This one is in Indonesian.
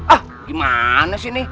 ah gimana sih ini